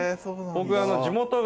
僕。